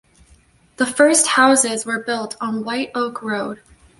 The first houses were built on White Oak Road.